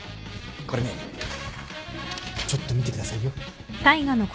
これねちょっと見てくださいよ。